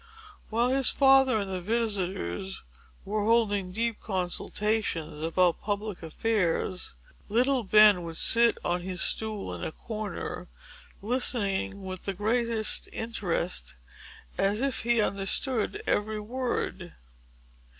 While his father and the visitors were holding deep consultations about public affairs, little Ben would sit on his stool in a corner, listening with the greatest interest, as if he understood every word.